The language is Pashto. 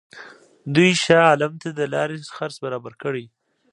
دوی شاه عالم ته د لارې خرڅ برابر کړي.